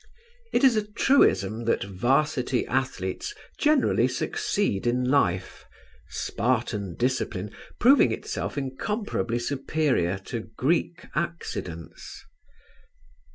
It is a truism that 'Varsity athletes generally succeed in life, Spartan discipline proving itself incomparably superior to Greek accidence.